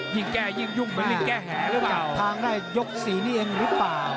ยิงแกยิ่งยุ่งเหมือนยิ่งแก้แหร่หรือเปล่า